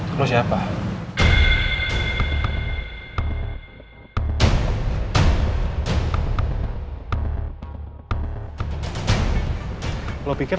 k fries yang pintar yang pengharga